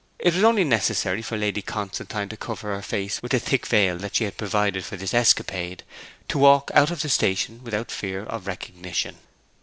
It was only necessary for Lady Constantine to cover her face with the thick veil that she had provided for this escapade, to walk out of the station without fear of recognition.